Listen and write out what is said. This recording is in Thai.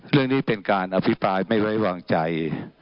เรื่องนี้เป็นการอภิปรายไม่ไว้วางใจ